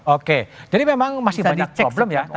oke jadi memang masih banyak problem ya